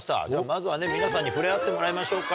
まずはね皆さんに触れ合ってもらいましょうか。